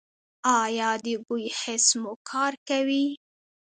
ایا د بوی حس مو کار کوي؟